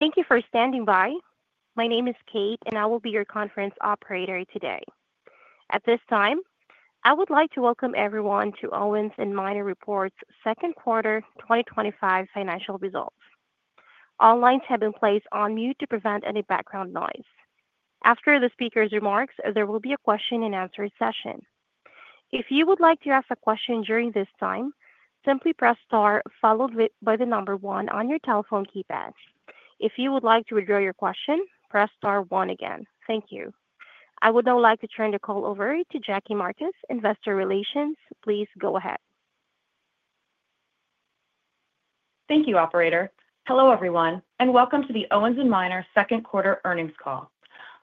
Thank you for standing by. My name is Kate, and I will be your conference operator today. At this time, I would like to welcome everyone to Owens & Minor Second Quarter 2025 Financial Results. All lines have been placed on mute to prevent any background noise. After the speaker's remarks, there will be a question and answer session. If you would like to ask a question during this time, simply press star followed by the number one on your telephone keypad. If you would like to withdraw your question, press star one again. Thank you. I would now like to turn the call over to Jackie Marcus, Investor Relations. Please go ahead. Thank you, operator. Hello everyone, and welcome to the Owens & Minor Second Quarter Earnings Call.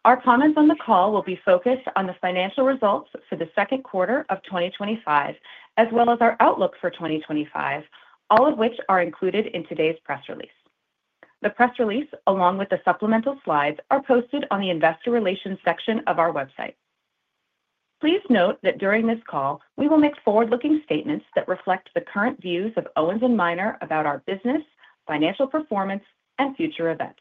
Our comments on the call will be focused on the financial results for the second quarter of 2025, as well as our outlook for 2025, all of which are included in today's press release. The press release, along with the supplemental slides, are posted on the investor relations section of our website. Please note that during this call, we will make forward-looking statements that reflect the current views of Owens & Minor about our business, financial performance, and future events.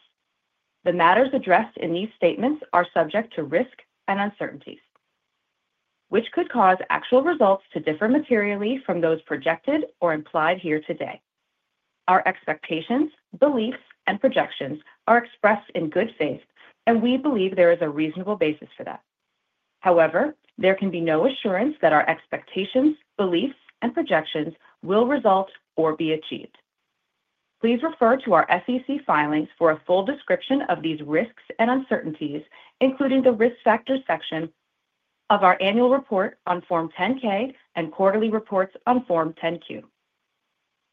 The matters addressed in these statements are subject to risk and uncertainties, which could cause actual results to differ materially from those projected or implied here today. Our expectations, beliefs, and projections are expressed in good faith, and we believe there is a reasonable basis for that. However, there can be no assurance that our expectations, beliefs, and projections will result or be achieved. Please refer to our SEC filings for a full description of these risks and uncertainties, including the risk factors section of our annual report on Form 10-K and quarterly reports on Form 10-Q.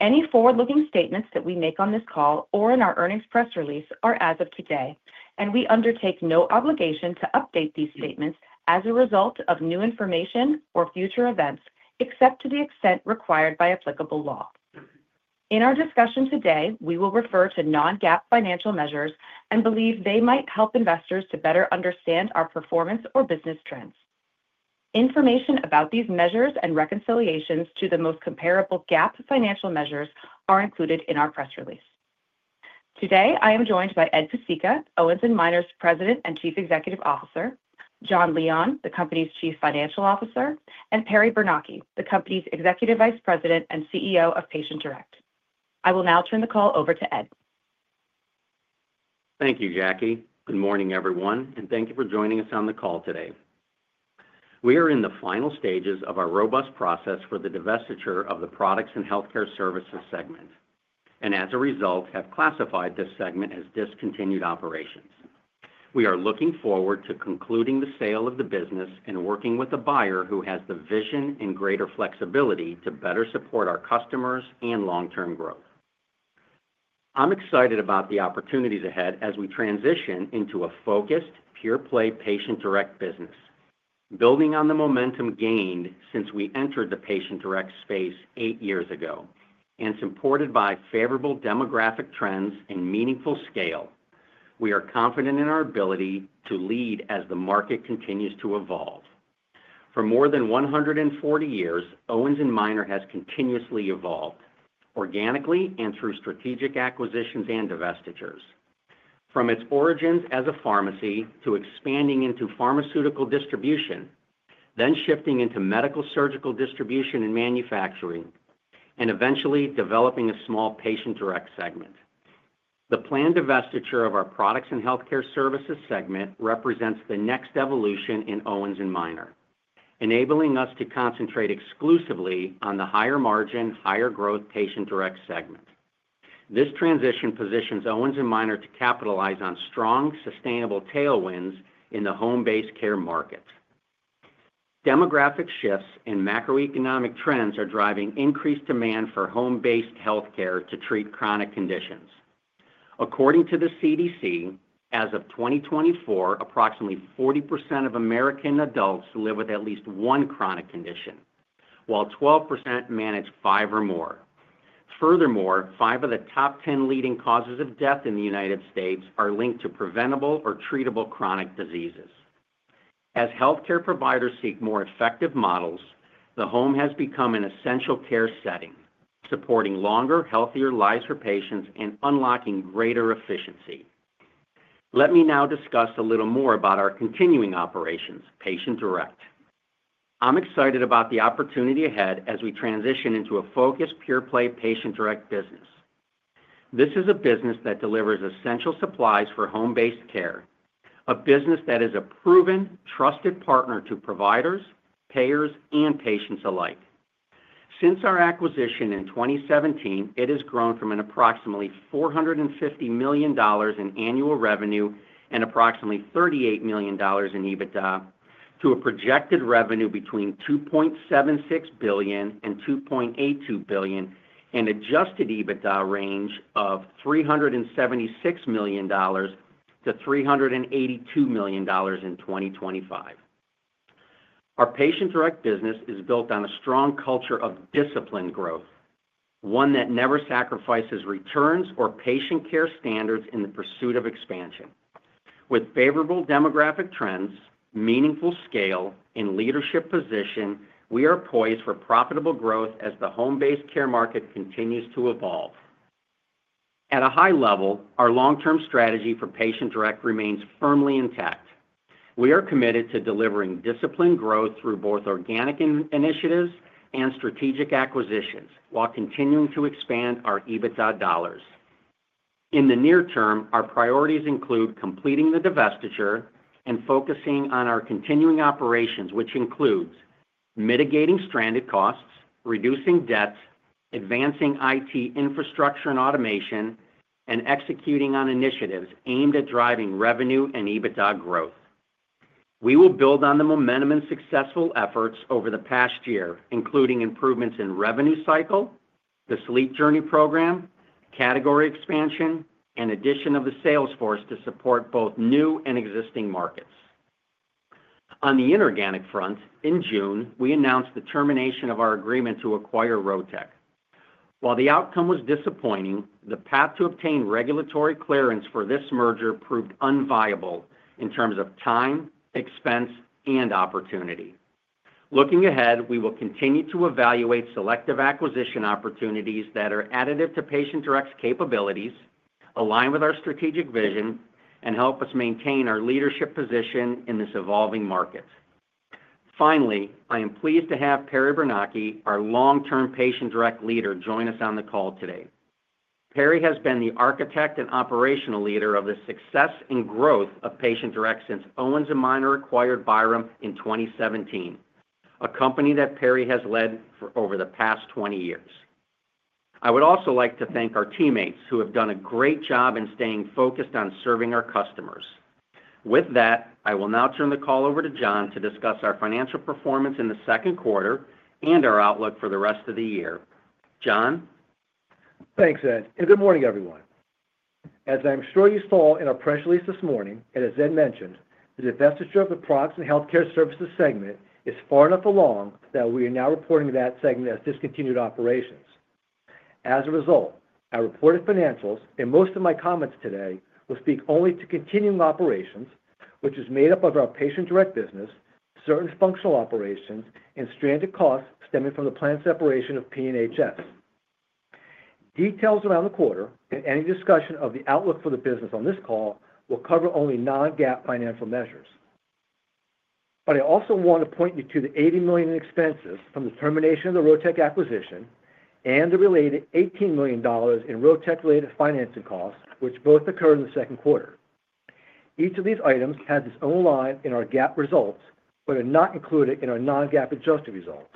Any forward-looking statements that we make on this call or in our earnings press release are as of today, and we undertake no obligation to update these statements as a result of new information or future events, except to the extent required by applicable law. In our discussion today, we will refer to non-GAAP financial measures and believe they might help investors to better understand our performance or business trends. Information about these measures and reconciliations to the most comparable GAAP financial measures are included in our press release. Today, I am joined by Edward Pesicka, Owens & Minor's President and Chief Executive Officer, Jon Leon, the company's Chief Financial Officer, and Perry Bernocchi, the company's Executive Vice President and CEO of Patient Direct. I will now turn the call over to Ed. Thank you, Jackie. Good morning, everyone, and thank you for joining us on the call today. We are in the final stages of our robust process for the divestiture of the Products & Healthcare Services segment, and as a result, have classified this segment as discontinued operations. We are looking forward to concluding the sale of the business and working with a buyer who has the vision and greater flexibility to better support our customers and long-term growth. I'm excited about the opportunities ahead as we transition into a focused, pure-play patient direct business. Building on the momentum gained since we entered the patient direct space eight years ago, and supported by favorable demographic trends and meaningful scale, we are confident in our ability to lead as the market continues to evolve. For more than 140 years, Owens & Minor has continuously evolved organically and through strategic acquisitions and divestitures. From its origins as a pharmacy to expanding into pharmaceutical distribution, then shifting into medical surgical distribution and manufacturing, and eventually developing a small Patient Direct segment. The planned divestiture of our Products & Healthcare Services segment represents the next evolution in Owens & Minor, enabling us to concentrate exclusively on the higher margin, higher growth Patient Direct segment. This transition positions Owens & Minor to capitalize on strong, sustainable tailwinds in the home-based care market. Demographic shifts and macro-economic trends are driving increased demand for home-based healthcare to treat chronic conditions. According to the CDC, as of 2024, approximately 40% of American adults live with at least one chronic condition, while 12% manage five or more. Furthermore, five of the top 10 leading causes of death in the United States are linked to preventable or treatable chronic diseases. As healthcare providers seek more effective models, the home has become an essential care setting, supporting longer, healthier lives for patients and unlocking greater efficiency. Let me now discuss a little more about our continuing operations, Patient Direct. I'm excited about the opportunity ahead as we transition into a focused, pure-play patient direct business. This is a business that delivers essential supplies for home-based care, a business that is a proven, trusted partner to providers, payers, and patients alike. Since our acquisition in 2017, it has grown from approximately $450 million in annual revenue and approximately $38 million in EBITDA to a projected revenue between $2.76 billion and $2.82 billion, and an adjusted EBITDA range of $376 million-$382 million in 2025. Our patient direct business is built on a strong culture of disciplined growth, one that never sacrifices returns or patient care standards in the pursuit of expansion. With favorable demographic trends, meaningful scale, and leadership position, we are poised for profitable growth as the home-based care market continues to evolve. At a high level, our long-term strategy for patient direct remains firmly intact. We are committed to delivering disciplined growth through both organic initiatives and strategic acquisitions, while continuing to expand our EBITDA dollars. In the near term, our priorities include completing the divestiture and focusing on our continuing operations, which include mitigating stranded costs, reducing debt, advancing IT infrastructure and automation, and executing on initiatives aimed at driving revenue and EBITDA growth. We will build on the momentum and successful efforts over the past year, including improvements in revenue cycle, the Sleep Journey program, category expansion, and addition of the sales force to support both new and existing markets. On the inorganic front, in June, we announced the termination of our agreement to acquire Rotech. While the outcome was disappointing, the path to obtain regulatory clearance for this merger proved unviable in terms of time, expense, and opportunity. Looking ahead, we will continue to evaluate selective acquisition opportunities that are additive to Patient Direct's capabilities, align with our strategic vision, and help us maintain our leadership position in this evolving market. Finally, I am pleased to have Perry Bernocchi, our long-term Patient Direct leader, join us on the call today. Perry has been the architect and operational leader of the success and growth of patient direct since Owens & Minor acquired Byram in 2017, a company that Perry has led for over the past 20 years. I would also like to thank our teammates who have done a great job in staying focused on serving our customers. With that, I will now turn the call over to Jon to discuss our financial performance in the second quarter and our outlook for the rest of the year. Jon? Thanks, Ed, and good morning, everyone. As I'm sure you saw in our press release this morning, and as Ed mentioned, the divestiture of the Products & Healthcare Services segment is far enough along that we are now reporting that segment as discontinued operations. As a result, our reported financials and most of my comments today will speak only to continuing operations, which is made up of our Patient Direct business, certain functional operations, and stranded costs stemming from the planned separation of P&HS. Details around the quarter and any discussion of the outlook for the business on this call will cover only non-GAAP financial measures. I also want to point you to the $80 million in expenses from the termination of the Rotech acquisition and the related $18 million in Rotech-related financing costs, which both occurred in the second quarter. Each of these items has its own line in our GAAP results, but are not included in our non-GAAP adjusted results.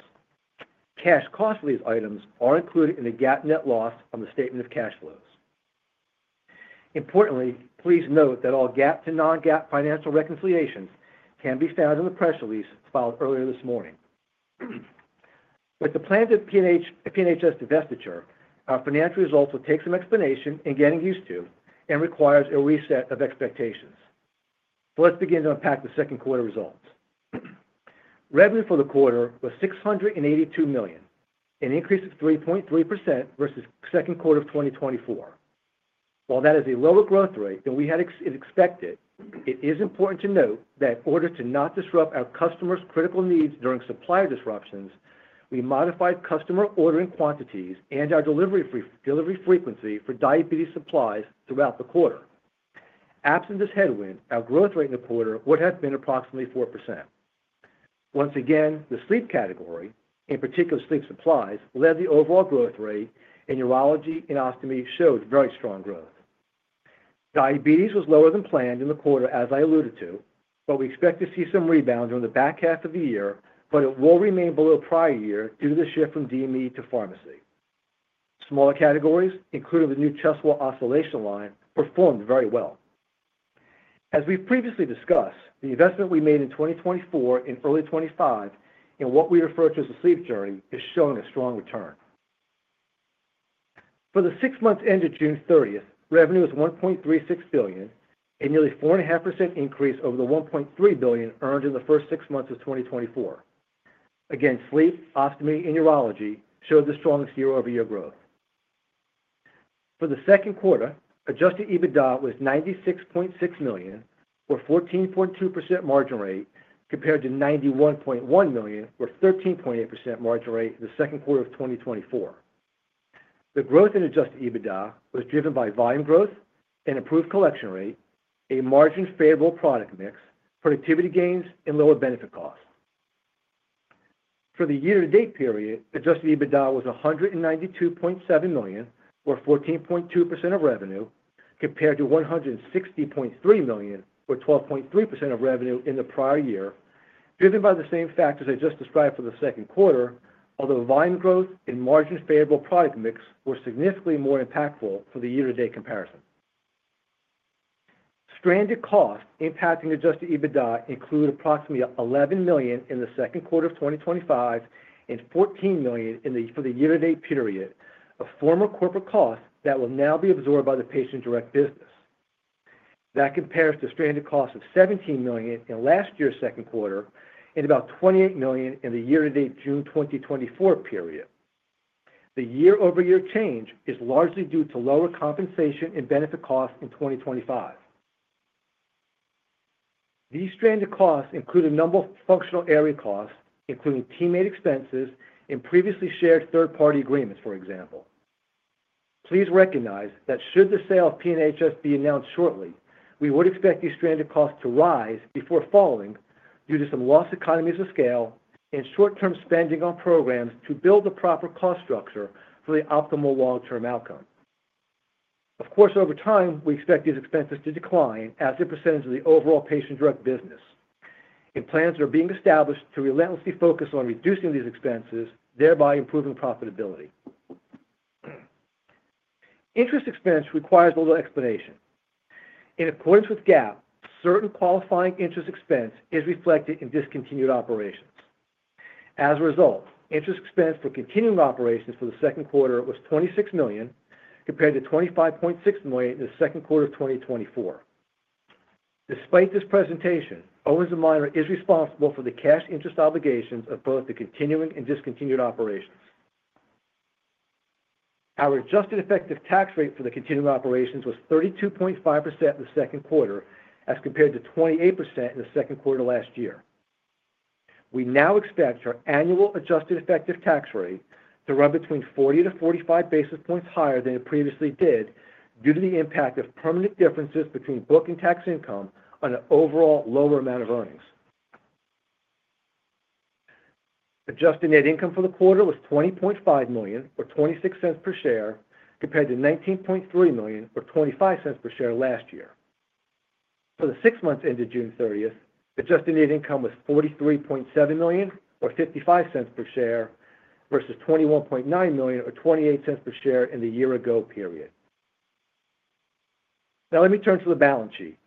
Cash costs for these items are included in the GAAP net loss on the statement of cash flows. Importantly, please note that all GAAP to non-GAAP financial reconciliations can be found in the press release filed earlier this morning. With the planned P&HS divestiture, our financial results will take some explanation in getting used to and require a reset of expectations. Let's begin to unpack the second quarter results. Revenue for the quarter was $682 million, an increase of 3.3% vs the second quarter of 2024. While that is a lower growth rate than we had expected, it is important to note that in order to not disrupt our customers' critical needs during supply disruptions, we modified customer ordering quantities and our delivery frequency for diabetes supplies throughout the quarter. Absent this headwind, our growth rate in the quarter would have been approximately 4%. Once again, the sleep category, in particular sleep supplies, led the overall growth rate, and urology and ostomy showed very strong growth. Diabetes was lower than planned in the quarter, as I alluded to, but we expect to see some rebound during the back half of the year, but it will remain below prior year due to the shift from DME to pharmacy channels. Smaller categories, including the new chest wall oscillation therapy products line, performed very well. As we've previously discussed, the investment we made in 2024 and early 2025, and what we refer to as a sleep journey, has shown a strong return. For the six months ended June 30, revenue was $1.36 billion, a nearly 4.5% increase over the $1.3 billion earned in the first six months of 2024. Sleep, ostomy, and urology showed the strongest year-over-year growth. For the second quarter, adjusted EBITDA was $96.6 million, or a 14.2% margin rate, compared to $91.1 million, or a 13.8% margin rate in the second quarter of 2024. The growth in adjusted EBITDA was driven by volume growth and approved collection rate, a margin favorable product mix, productivity gains, and lower benefit costs. For the year-to-date period, adjusted EBITDA was $192.7 million, or 14.2% of revenue, compared to $160.3 million, or 12.3% of revenue in the prior year, driven by the same factors I just described for the second quarter, although volume growth and margin favorable product mix were significantly more impactful for the year-to-date comparison. Stranded costs impacting adjusted EBITDA include approximately $11 million in the second quarter of 2025 and $14 million for the year-to-date period, a former corporate cost that will now be absorbed by the patient direct business. That compares to a stranded cost of $17 million in last year's second quarter and about $28 million in the year-to-date June 2024 period. The year-over-year change is largely due to lower compensation and benefit costs in 2025. These stranded costs include a number of functional area costs, including teammate expenses and previously shared third-party agreements, for example. Please recognize that should the sale of P&HS be announced shortly, we would expect these stranded costs to rise before falling due to some lost economies of scale and short-term spending on programs to build the proper cost structure for the optimal long-term outcome. Of course, over time, we expect these expenses to decline as a percentage of the overall patient direct business. Plans are being established to relentlessly focus on reducing these expenses, thereby improving profitability. Interest expense requires a little explanation. In accordance with GAAP, certain qualifying interest expense is reflected in discontinued operations. As a result, interest expense for continuing operations for the second quarter was $26 million, compared to $25.6 million in the second quarter of 2024. Despite this presentation, Owens & Minor is responsible for the cash interest obligations of both the continuing and discontinued operations. Our adjusted effective tax rate for the continuing operations was 32.5% in the second quarter, as compared to 28% in the second quarter last year. We now expect our annual adjusted effective tax rate to run between 40 basis points-45 basis points higher than it previously did due to the impact of permanent differences between book and tax income on an overall lower amount of earnings. Adjusted net income for the quarter was $20.5 million, or $0.26/share, compared to $19.3 million, or $0.25/share last year. For the six months ended June 30th, adjusted net income was $43.7 million, or $0.55/share, vs $21.9 million, or $0.28/share in the year-ago period. Now let me turn to the balance sheet.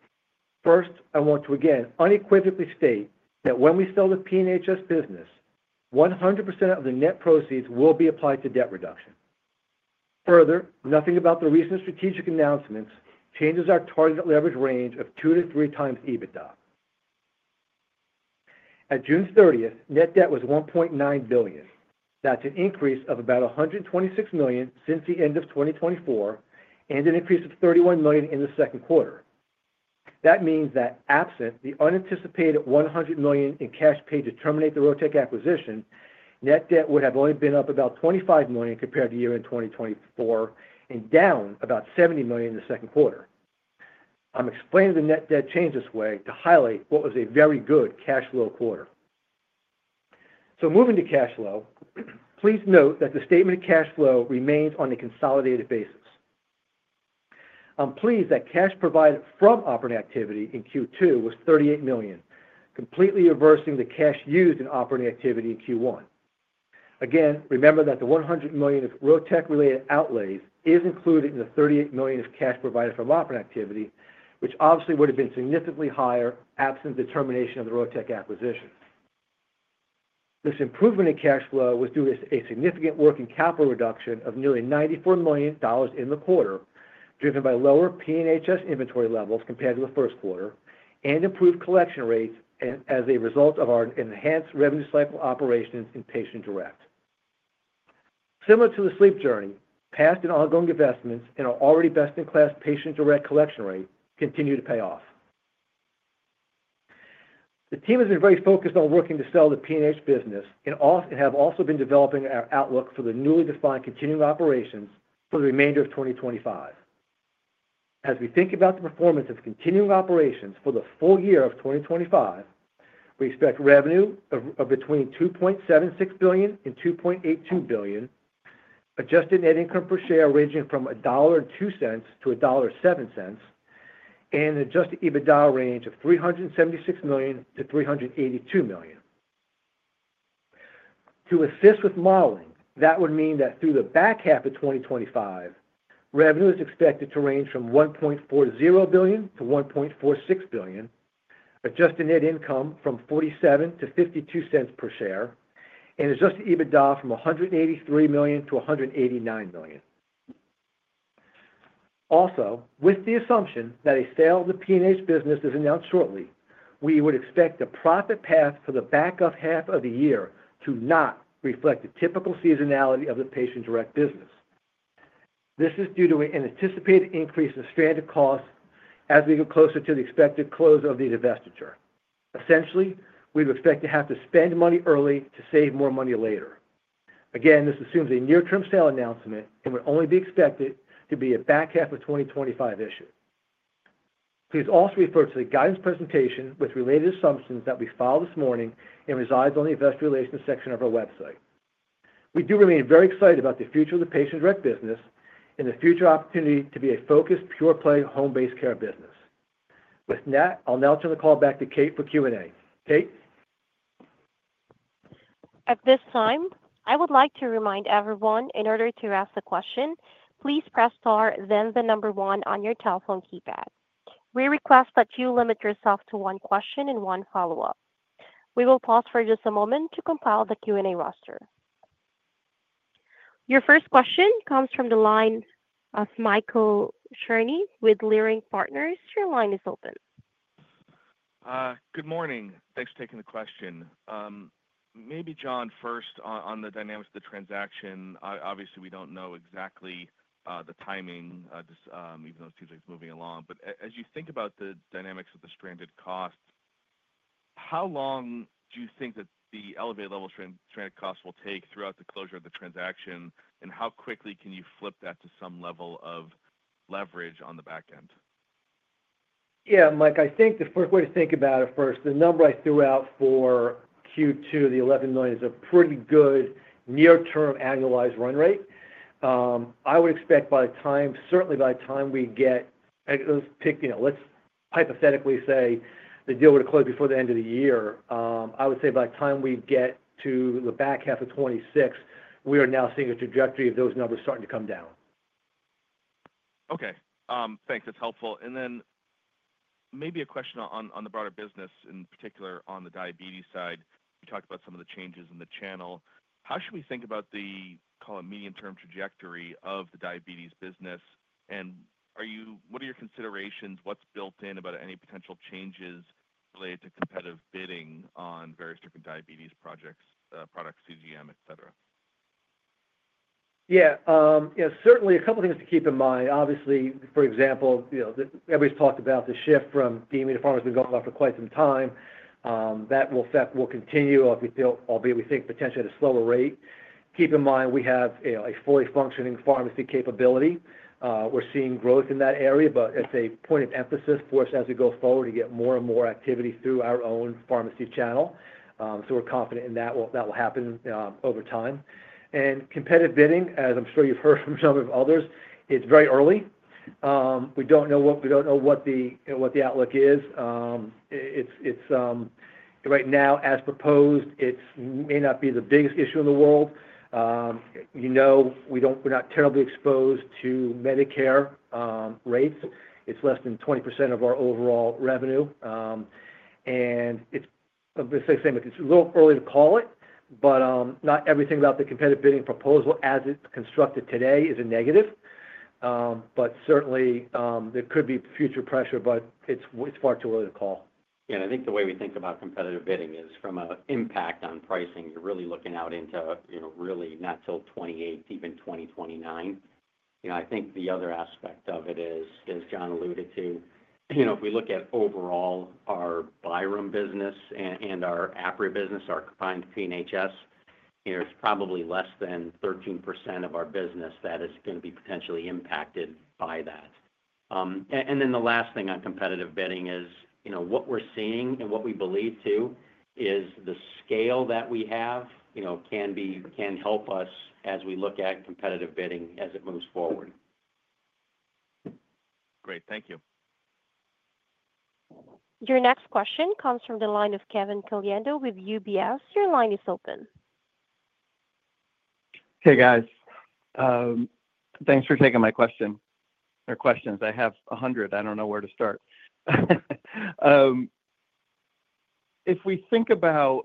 First, I want to again unequivocally state that when we sell the P&HS business, 100% of the net proceeds will be applied to debt reduction. Further, nothing about the recent strategic announcements changes our target leverage range of 2x-3x EBITDA. At June 30th, net debt was $1.9 billion. That's an increase of about $126 million since the end of 2024 and an increase of $31 million in the second quarter. That means that absent the unanticipated $100 million in cash paid to terminate the Rotech acquisition, net debt would have only been up about $25 million compared to the year in 2024 and down about $70 million in the second quarter. I'm explaining the net debt change this way to highlight what was a very good cash flow quarter. Moving to cash flow, please note that the statement of cash flow remains on a consolidated basis. I'm pleased that cash provided from operating activity in Q2 was $38 million, completely reversing the cash used in operating activity in Q1. Again, remember that the $100 million of Rotech-related outlays is included in the $38 million of cash provided from operating activity, which obviously would have been significantly higher absent the termination of the Rotech acquisition. This improvement in cash flow was due to a significant working capital reduction of nearly $94 million in the quarter, driven by lower P&HS inventory levels compared to the first quarter and improved collection rates as a result of our enhanced revenue cycle operations in patient direct. Similar to the sleep journey, past and ongoing investments in our already best-in-class patient direct collection rate continue to pay off. The team has been very focused on working to sell the P&HS business and have also been developing our outlook for the newly defined continuing operations for the remainder of 2025. As we think about the performance of continuing operations for the full year of 2025, we expect revenue of between $2.76 billion and $2.82 billion, adjusted net income per share ranging from $1.02-$1.07, and an adjusted EBITDA range of $376 million-$382 million. To assist with modeling, that would mean that through the back half of 2025, revenue is expected to range from $1.40 billion-$1.46 billion, adjusted net income from $0.47-$0.52/share, and adjusted EBITDA from $183 million-$189 million. Also, with the assumption that a sale of the P&HS business is announced shortly, we would expect the profit path for the back half of the year to not reflect the typical seasonality of the patient direct business. This is due to an anticipated increase in stranded costs as we go closer to the expected close of the divestiture. Essentially, we would expect to have to spend money early to save more money later. Again, this assumes a near-term sale announcement and would only be expected to be a back half of 2025 issue. Please also refer to the guidance presentation with related assumptions that we filed this morning and resides on the investor relations section of our website. We do remain very excited about the future of the patient direct business and the future opportunity to be a focused, pure-play home-based care business. With that, I'll now turn the call back to Kate for Q&A. Kate? At this time, I would like to remind everyone, in order to ask a question, please press star, then the number one on your telephone keypad. We request that you limit yourself to one question and one follow-up. We will pause for just a moment to compile the Q&A roster. Your first question comes from the line of Michael Cherny with Leerink Partners. Your line is open. Good morning. Thanks for taking the question. Maybe Jon, first on the dynamics of the transaction. Obviously, we don't know exactly the timing, even though it seems like it's moving along. As you think about the dynamics of the stranded costs, how long do you think that the elevated level of stranded costs will take throughout the closure of the transaction? How quickly can you flip that to some level of leverage on the back end? Yeah, Mike, I think the first way to think about it, the number I threw out for Q2, the $11 million, is a pretty good near-term annualized run rate. I would expect by the time, certainly by the time we get, let's pick, you know, let's hypothetically say the deal would have closed before the end of the year. I would say by the time we get to the back half of 2026, we are now seeing a trajectory of those numbers starting to come down. Okay. Thanks. That's helpful. Maybe a question on the broader business, in particular on the diabetes side. You talked about some of the changes in the channel. How should we think about the, call it, medium-term trajectory of the diabetes business? Are you, what are your considerations? What's built in about any potential changes related to competitive bidding on various different diabetes products, CGM, etc? Yeah, certainly a couple of things to keep in mind. Obviously, for example, you know, everybody's talked about the shift from DME to pharmacy has been going on for quite some time. That will continue, albeit we think potentially at a slower rate. Keep in mind, we have a fully functioning pharmacy capability. We're seeing growth in that area, but it's a point of emphasis for us as we go forward to get more and more activities through our own pharmacy channel. We're confident in that. That will happen over time. Competitive bidding, as I'm sure you've heard from some of others, it's very early. We don't know what the outlook is. Right now, as proposed, it may not be the biggest issue in the world. You know, we're not terribly exposed to Medicare rates. It's less than 20% of our overall revenue. It's the same thing. It's a little early to call it, but not everything about the competitive bidding proposal as it's constructed today is a negative. Certainly, there could be future pressure, but it's far too early to call. Yeah, I think the way we think about competitive bidding is from an impact on pricing, you're really looking out into, you know, really not till 2028, even 2029. I think the other aspect of it is, as Jon alluded to, if we look at overall our Byram business and our APRI business, our combined P&HS, it's probably less than 13% of our business that is going to be potentially impacted by that. The last thing on competitive bidding is, what we're seeing and what we believe too is the scale that we have can help us as we look at competitive bidding as it moves forward. Great. Thank you. Your next question comes from the line of Kevin Caliendo with UBS. Your line is open. Hey, guys. Thanks for taking my question or questions. I have 100. I don't know where to start. If we think about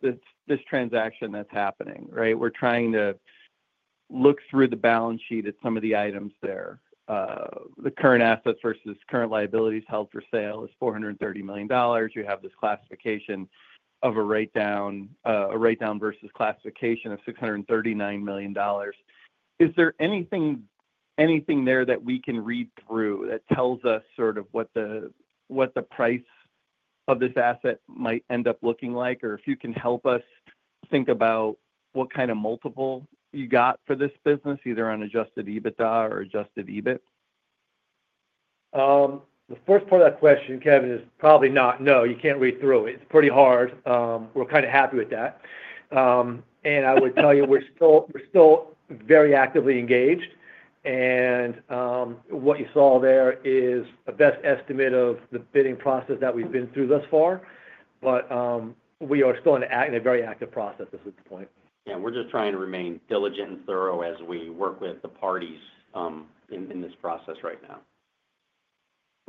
this transaction that's happening, right, we're trying to look through the balance sheet at some of the items there. The current assets vs current liabilities held for sale is $430 million. You have this classification of a write-down, a write-down vs classification of $639 million. Is there anything there that we can read through that tells us sort of what the price of this asset might end up looking like, or if you can help us think about what kind of multiple you got for this business, either on adjusted EBITDA or adjusted EBIT? The first part of that question, Kevin, is probably not, no, you can't read through it. It's pretty hard. We're kind of happy with that. I would tell you, we're still very actively engaged. What you saw there is a best estimate of the bidding process that we've been through thus far. We are still in a very active process. This is the point. Yeah, we're just trying to remain diligent and thorough as we work with the parties in this process right now.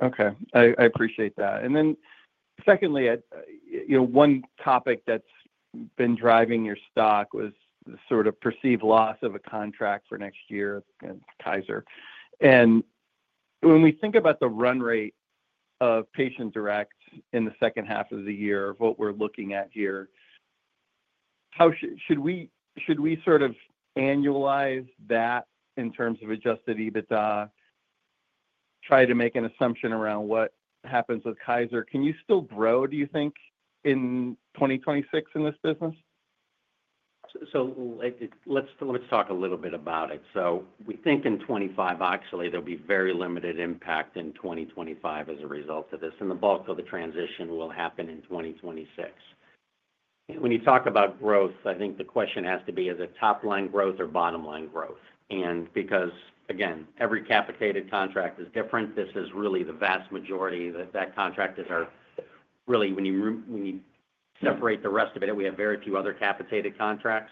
Okay. I appreciate that. One topic that's been driving your stock was the sort of perceived loss of a contract for next year with Kaiser. When we think about the run rate of patient direct in the second half of the year of what we're looking at here, should we sort of annualize that in terms of adjusted EBITDA, try to make an assumption around what happens with Kaiser? Can you still grow, do you think, in 2026 in this business? We think in 2025, actually, there'll be very limited impact in 2025 as a result of this. The bulk of the transition will happen in 2026. When you talk about growth, I think the question has to be, is it top line growth or bottom line growth? Because, again, every capitated contract is different. This is really the vast majority that contract is our really, when you separate the rest of it, we have very few other capitated contracts.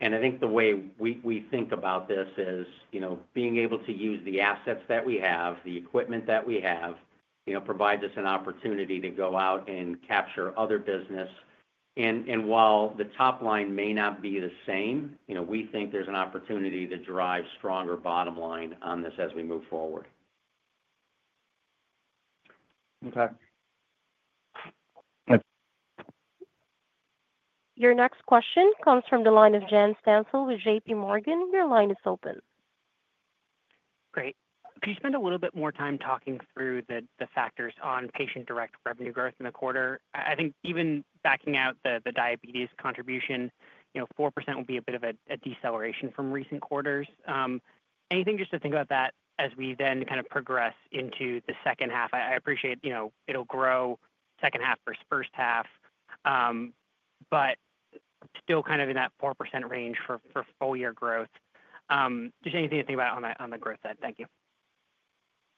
I think the way we think about this is, you know, being able to use the assets that we have, the equipment that we have, provides us an opportunity to go out and capture other business. While the top line may not be the same, we think there's an opportunity to drive stronger bottom line on this as we move forward. Okay. Your next question comes from the line of John Stansel with JPMorgan. Your line is open. Great. Could you spend a little bit more time talking through the factors on patient direct revenue growth in the quarter? I think even backing out the diabetes contribution, you know, 4% will be a bit of a deceleration from recent quarters. Anything just to think about that as we then kind of progress into the second half? I appreciate, you know, it'll grow second half vs first half, but still kind of in that 4% range for full-year growth. Just anything to think about on the growth side. Thank you.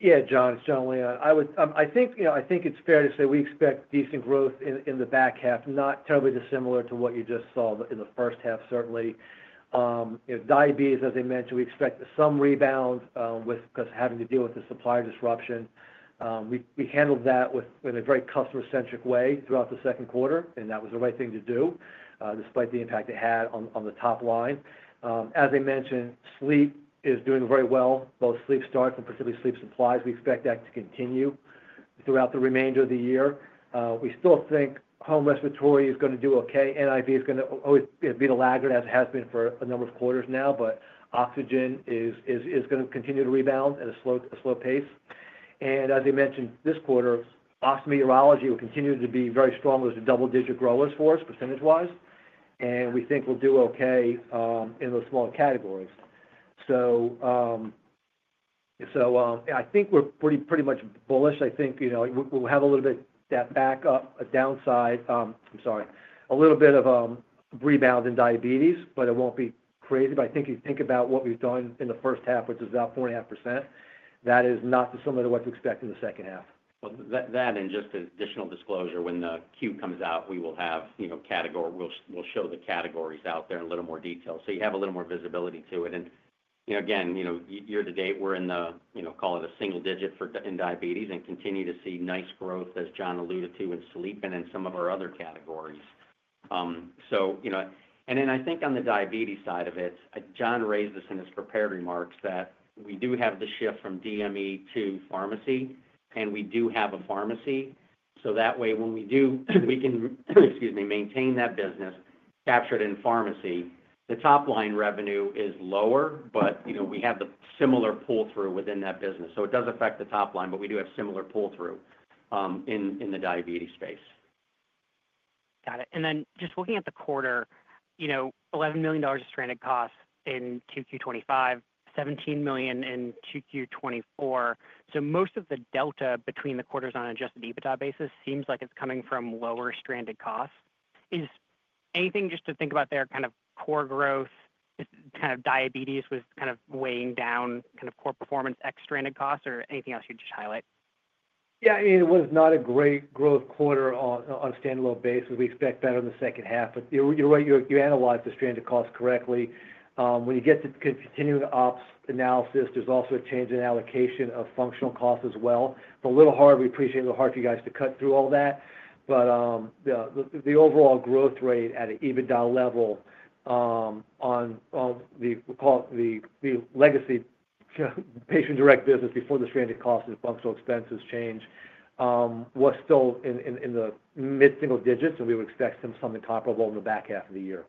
Yeah, John, it's Jon Leon. I think it's fair to say we expect decent growth in the back half, not terribly dissimilar to what you just saw in the first half, certainly. Diabetes, as I mentioned, we expect some rebound because of having to deal with the supply disruptions. We handled that in a very customer-centric way throughout the second quarter, and that was the right thing to do despite the impact it had on the top line. As I mentioned, sleep is doing very well. Both sleep starts and specifically sleep supplies, we expect that to continue throughout the remainder of the year. We still think home respiratory is going to do okay. NIV is going to always be the laggard as it has been for a number of quarters now, but oxygen is going to continue to rebound at a slow pace. As I mentioned, this quarter, Ostomy, Urology will continue to be very strong. It was a double-digit growth for us percentage-wise. We think we'll do okay in those smaller categories. I think we're pretty much bullish. I think we'll have a little bit of that backup, a downside, I'm sorry, a little bit of rebound in diabetes, but it won't be crazy. If you think about what we've done in the first half, which is about 4.5%, that is not dissimilar to what to expect in the second half. That, and just an additional disclosure, when the Q comes out, we will have, you know, we'll show the categories out there in a little more detail. You have a little more visibility to it. Again, year-to-date, we're in the, you know, call it a single digit for in diabetes and continue to see nice growth, as Jon alluded to, in sleep and in some of our other categories. I think on the diabetes side of it, Jon raised this in his prepared remarks that we do have the shift from DME to pharmacy, and we do have a pharmacy. That way, when we do, we can, excuse me, maintain that business, capture it in pharmacy. The top line revenue is lower, but we have the similar pull-through within that business. It does affect the top line, but we do have similar pull-through in the diabetes space. Got it. Just looking at the quarter, you know, $11 million of stranded costs in Q2 2025, $17 million in Q2 2024. Most of the delta between the quarters on an adjusted EBITDA basis seems like it's coming from lower stranded costs. Is anything just to think about there, kind of core growth, kind of diabetes was kind of weighing down core performance ex-stranded costs, or anything else you'd just highlight? Yeah, I mean, it was not a great growth quarter on a standalone basis. We expect that in the second half. You're right, you analyzed the stranded costs correctly. When you get to continuing ops analysis, there's also a change in allocation of functional costs as well. It's a little hard, we appreciate it's a little hard for you guys to cut through all that. The overall growth rate at an EBITDA level on the legacy patient direct business before the stranded costs and functional expenses change was still in the mid-single digits, and we would expect something comparable in the back half of the year.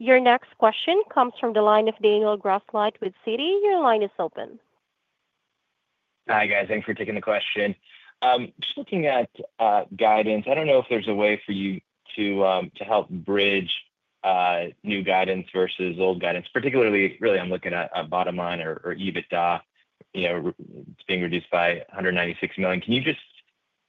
Your next question comes from the line of Daniel Grosslight with Citi, your line is open. Hi guys, thanks for taking the question. Just looking at guidance, I don't know if there's a way for you to help bridge new guidance vs old guidance. Particularly, really, I'm looking at a bottom line or EBITDA being reduced by $196 million. Can you just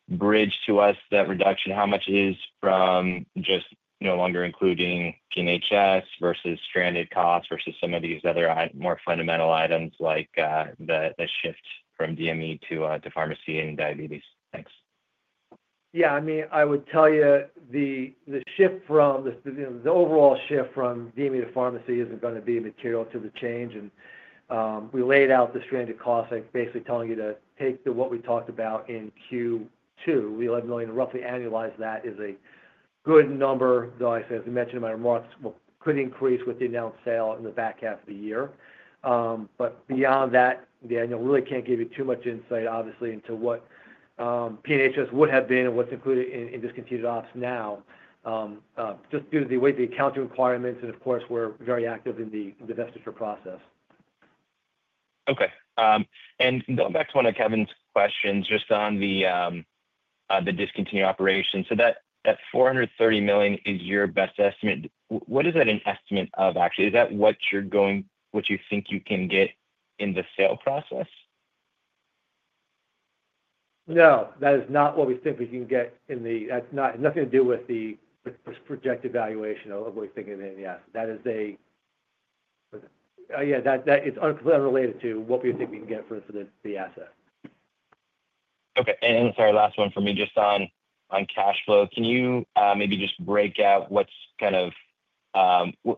bridge to us that reduction? How much is from just no longer including P&HS vs stranded costs vs some of these other more fundamental items like the shift from DME to pharmacy and diabetes? Thanks. Yeah, I mean, I would tell you the shift from the overall shift from DME to pharmacy isn't going to be material to the change. We laid out the stranded costs, basically telling you to take what we talked about in Q2. The $11 million roughly annualized is a good number, though I said, as I mentioned in my remarks, it could increase with the announced sale in the back half of the year. Beyond that, Daniel, I really can't give you too much insight, obviously, into what P&HS would have been and what's included in discontinued ops now, just due to the way the accounting requirements are, and of course, we're very active in the divestiture process. Okay. Going back to one of Kevin's questions, just on the discontinued operations, that $430 million is your best estimate. What is that an estimate of, actually? Is that what you think you can get in the sale process? No, that is not what we think we can get in the, that's not, it's nothing to do with the projected valuation of what we think in the, that is completely unrelated to what we think we can get for the asset. Okay. Sorry, last one for me, just on cash flow. Can you maybe just break out what's kind of,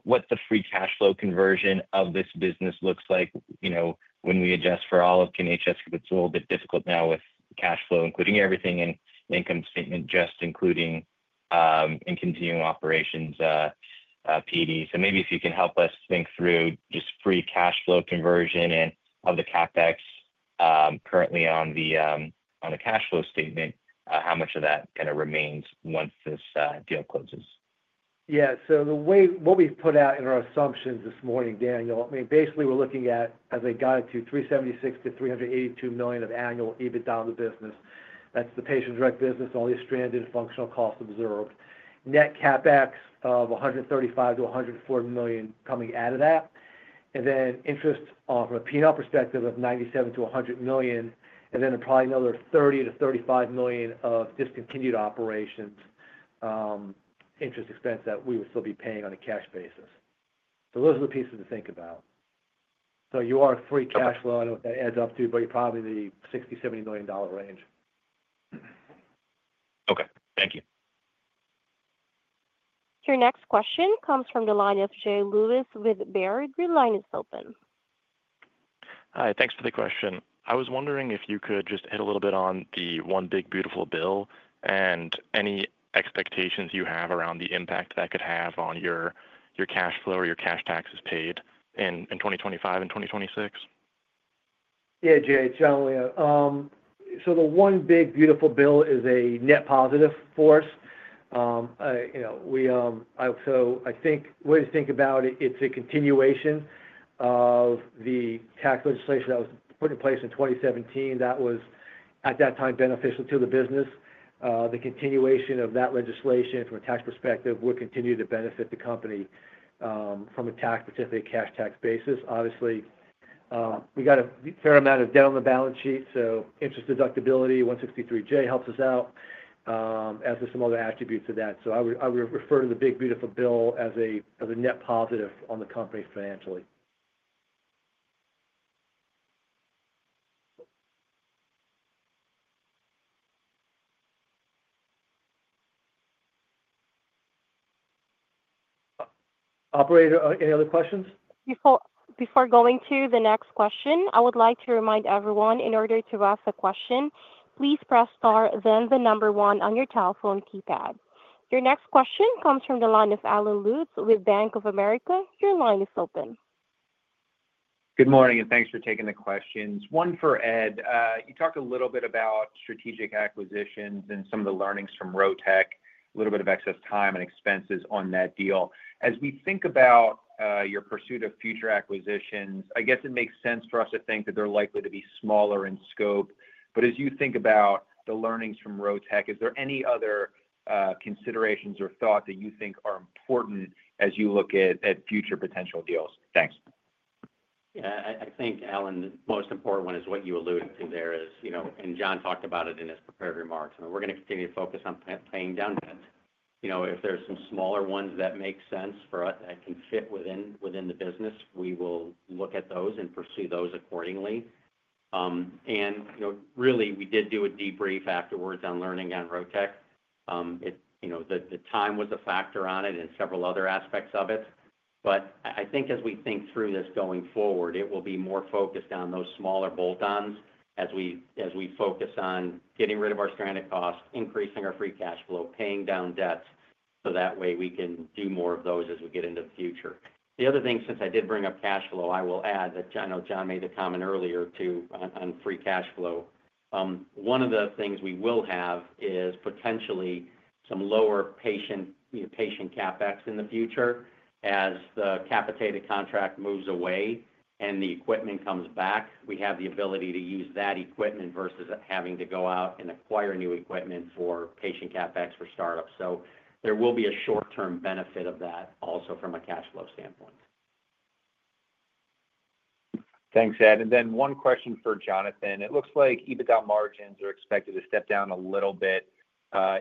what the free cash flow conversion of this business looks like, you know, when we adjust for all of P&HS, because it's a little bit difficult now with cash flow, including everything in income statement, just including in continuing operations, PD. Maybe if you can help us think through just free cash flow conversion and of the CapEx currently on the cash flow statement, how much of that kind of remains once this deal closes? Yeah, the way what we've put out in our assumptions this morning, Daniel, I mean, basically, we're looking at, as I got it to, $376 million-$382 million of annual adjusted EBITDA on the business. That's the patient direct business, all these stranded functional costs observed. Net CapEx of $135 million-$104 million coming out of that, and then interest off of a P&L perspective of $97 million-$100 million. There's probably another $30 million-$35 million of discontinued operations interest expense that we would still be paying on a cash basis. Those are the pieces to think about. You're free cash flow, I don't know what that adds up to, but you're probably in the $60 million-$70 million range. Okay. Thank you. Your next question comes from the line of Jay Lewis with Baird, your line is open. Hi, thanks for the question. I was wondering if you could just hit a little bit on the one big beautiful bill and any expectations you have around the impact that could have on your cash flow or your cash taxes paid in 2025 and 2026? Yeah, Jay, it's Jon Leon. The one big beautiful bill is a net positive for us. I think the way to think about it, it's a continuation of the tax legislation that was put in place in 2017 that was at that time beneficial to the business. The continuation of that legislation from a tax perspective would continue to benefit the company from a tax-specific cash tax basis. Obviously, we got a fair amount of debt on the balance sheet. Interest deductibility, 163(j), helps us out, as with some other attributes of that. I would refer to the big beautiful bill as a net positive on the company financially. Operator, any other questions? Before going to the next question, I would like to remind everyone, in order to ask a question, please press star, then the number one on your telephone keypad. Your next question comes from the line of Allen Lutz with Bank of America, your line is open. Good morning, and thanks for taking the questions. One for Ed. You talk a little bit about strategic acquisitions and some of the learnings from Rotech, a little bit of excess time and expenses on that deal. As we think about your pursuit of future acquisitions, I guess it makes sense for us to think that they're likely to be smaller in scope. As you think about the learnings from Rotech, is there any other considerations or thought that you think are important as you look at future potential deals? Thanks. Yeah, I think, Alan, the most important one is what you alluded to there, you know, and Jon talked about it in his prepared remarks. I mean, we're going to continue to focus on playing down bids. If there's some smaller ones that make sense for us that can fit within the business, we will look at those and pursue those accordingly. We did do a debrief afterwards on learning on Rotech. The time was a factor on it and several other aspects of it. I think as we think through this going forward, it will be more focused on those smaller bolt-ons as we focus on getting rid of our stranded costs, increasing our free cash flow, paying down debts. That way, we can do more of those as we get into the future. The other thing, since I did bring up cash flow, I will add that I know Jon made the comment earlier too on free cash flow. One of the things we will have is potentially some lower patient CapEx in the future. As the capitated contract moves away and the equipment comes back, we have the ability to use that equipment vs having to go out and acquire new equipment for patient CapEx for startups. There will be a short-term benefit of that also from a cash flow standpoint. Thanks, Ed. One question for Jon. It looks like EBITDA margins are expected to step down a little bit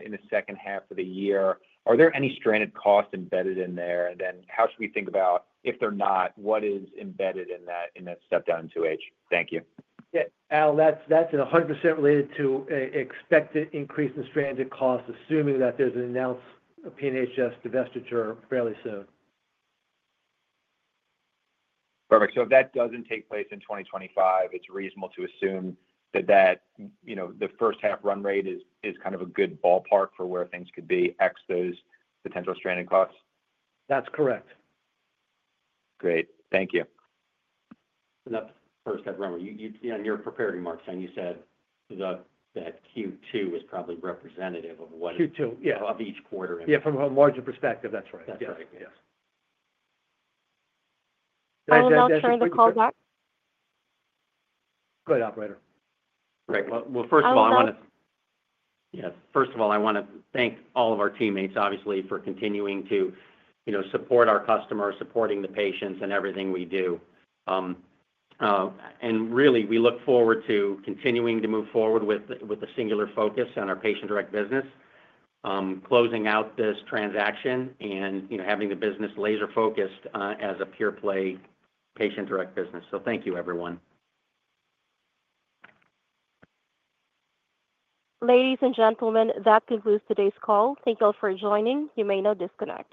in the second half of the year. Are there any stranded costs embedded in there? How should we think about, if they're not, what is embedded in that step down in 2H? Thank you. Yeah, Al, that's 100% related to an expected increase in stranded costs, assuming that there's an announced P&HS divestiture fairly soon. Perfect. If that doesn't take place in 2025, it's reasonable to assume that the first half run rate is kind of a good ballpark for where things could be, ex those potential stranded costs? That's correct. Great. Thank you. That's the first half run rate. You see on your prepared remarks, Jon, you said that Q2 is probably representative of what it is. Q2, yeah. Of each quarter. Yeah, from a margin perspective, that's right. That's right, yes. I'll turn the call back. Go ahead, operator. First of all, I want to thank all of our teammates, obviously, for continuing to support our customers, supporting the patients in everything we do. We look forward to continuing to move forward with a singular focus on our patient direct business, closing out this transaction, and having the business laser-focused as a pure-play patient direct business. Thank you, everyone. Ladies and gentlemen, that concludes today's call. Thank you all for joining. You may now disconnect.